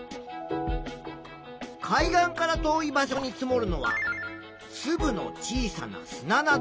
海岸から遠い場所に積もるのはつぶの小さな砂など。